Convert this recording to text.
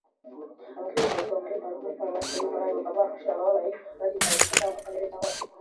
Abakirisitu babarizwa muri iyi paruwasi n’iyi korali bakaba bafasha abababaye hatitawe ku idini cyangwa akarere cyangwa bakomokamo